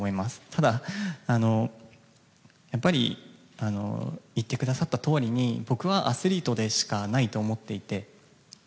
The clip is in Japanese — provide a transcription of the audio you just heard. ただ、やっぱり言ってくださったとおりに僕はアスリートでしかないと思っていて。